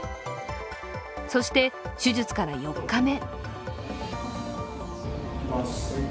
そして、手術から４日目。